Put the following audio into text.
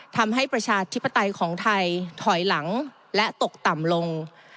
ประชาธิปไตยของไทยถอยหลังและตกต่ำลง